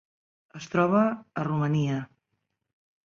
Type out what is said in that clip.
Es troba a Romania.